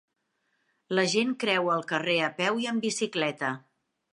La gent creua el carrer a peu i en bicicleta.